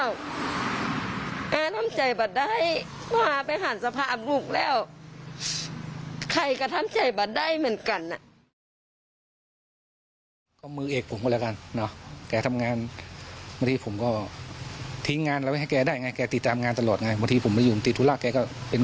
แกทำใจแบบใดเขาหาไปหันสภาพลูกแล้ว